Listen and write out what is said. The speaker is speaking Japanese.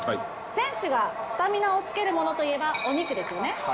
選手がスタミナをつけるものといえばお肉ですよね。